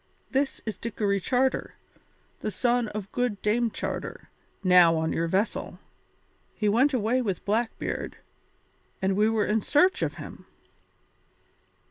This is Dickory Charter, the son of good Dame Charter, now on your vessel. He went away with Blackbeard, and we were in search of him."